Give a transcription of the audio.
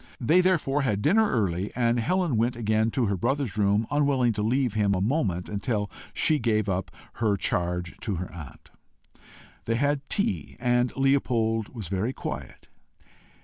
They therefore had dinner early, and Helen went again to her brother's room, unwilling to leave him a moment until she gave up her charge to her aunt. They had tea together, and Leopold was very quiet.